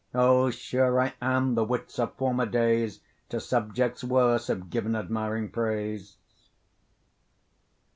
O! sure I am the wits of former days, To subjects worse have given admiring praise.